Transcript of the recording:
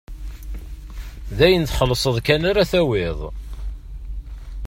D ayen txellṣeḍ kan ara tawiḍ.